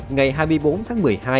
ngày hai mươi bốn tháng một mươi hai